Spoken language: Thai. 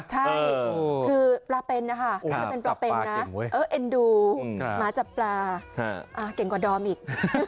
ใช่คือปลาเป็นนะคะเอ็นดูหมาจับปลาเก่งกว่าดอมอีก